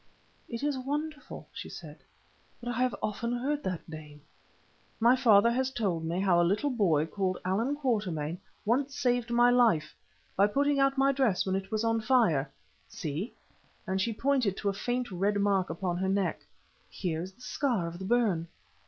"It is wonderful," she said, "but I have often heard that name. My father has told me how a little boy called Allan Quatermain once saved my life by putting out my dress when it was on fire—see!"—and she pointed to a faint red mark upon her neck—"here is the scar of the burn."